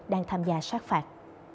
đang tham gia xác phạt